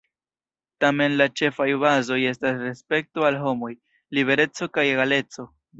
Tamen la ĉefaj bazoj estas respekto al homoj, libereco kaj egaleco.